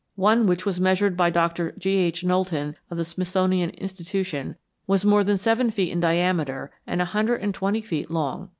One which was measured by Doctor G.H. Knowlton of the Smithsonian Institution was more than seven feet in diameter and a hundred and twenty feet long.